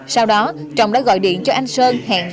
sau đó trọng đã gọi điện cho anh sơn